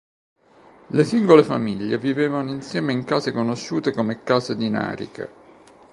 Le singole famiglie vivevano insieme in case conosciute come case dinariche.